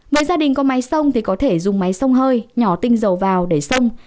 với gia đình có máy sông thì có thể dùng máy sông hơi nhỏ tinh dầu vào để sông